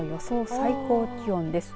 最高気温です。